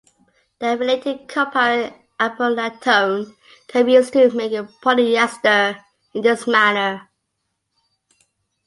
The related compound caprolactone can be used to make a polyester in this manner.